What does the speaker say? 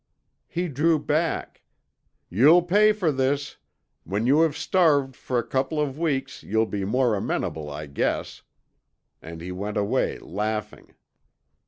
"He drew back. 'You'll pay for this. When you have starved for a couple of weeks you'll be more amenable, I guess,' and he went away laughing.